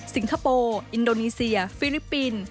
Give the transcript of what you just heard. คโปร์อินโดนีเซียฟิลิปปินส์